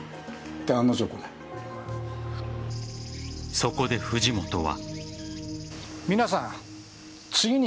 そこで藤本は。